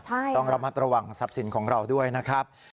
ต้องระมัดระวังทรัพย์สินของเราด้วยนะครับ